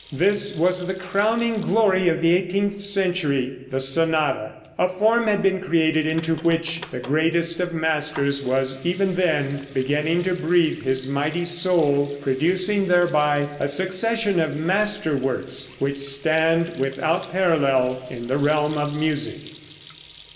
This was the crowning glory of the eighteenth century the sonata. A form had been created, into which the greatest of masters was even then beginning to breathe his mighty soul, producing thereby a succession of master works, which stand without parallel in the realm of music.